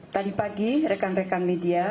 tadi pagi rekan rekan media